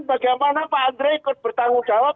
bagaimana pak andre ikut bertanggung jawab